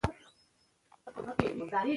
پوهاند باید د مطالعې فرهنګ ته وده ورکړي.